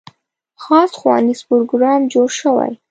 خاص ښوونیز پروګرام جوړ شوی.